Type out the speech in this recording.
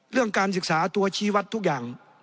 เรื่องการศึกษาตัวชี้วัดทุกอย่าง